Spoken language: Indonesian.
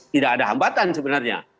tidak ada hambatan sebenarnya